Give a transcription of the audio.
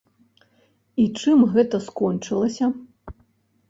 І чым гэта скончылася?